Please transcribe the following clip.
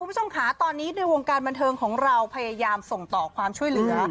คุณผู้ชมค่ะตอนนี้ในวงการบันเทิงของเราพยายามส่งต่อความช่วยเหลือ